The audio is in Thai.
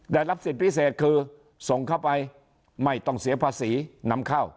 ได้รับสิทธิ์พิเศษคือส่งเข้าไปไม่ต้องเสียภาษีนำเข้า